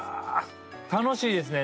楽しいですね